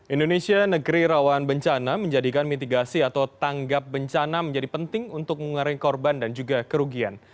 indonesia negeri rawan bencana menjadikan mitigasi atau tanggap bencana menjadi penting untuk mengurangi korban dan juga kerugian